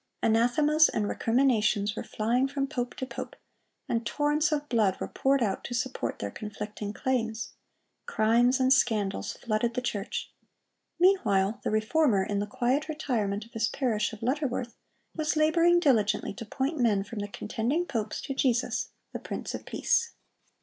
Anathemas and recriminations were flying from pope to pope, and torrents of blood were poured out to support their conflicting claims. Crimes and scandals flooded the church. Meanwhile the Reformer, in the quiet retirement of his parish of Lutterworth, was laboring diligently to point men from the contending popes to Jesus, the Prince of Peace.